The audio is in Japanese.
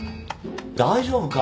大丈夫か？